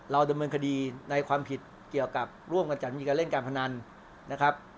ดำเนินคดีในความผิดเกี่ยวกับร่วมกันจัดมีการเล่นการพนันนะครับ